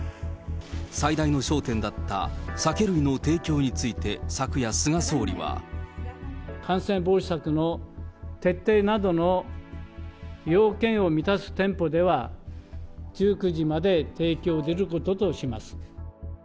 最大の焦点だった酒類の提供について、昨夜、菅総理は。感染防止策の徹底などの要件を満たす店舗では、１９時まで提供できることとします。